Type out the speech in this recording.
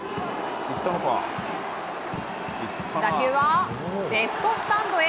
打球はレフトスタンドへ。